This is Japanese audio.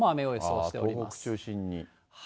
東北中心に。